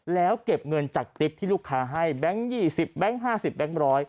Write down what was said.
แล้วเก็บเงินจากติ๊กที่ลูกค้าให้แบงค์๒๐แบงค์๕๐แบงค์๑๐๐